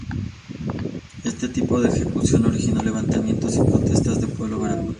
Este tipo de ejecución originó levantamientos y protestas del pueblo veracruzano.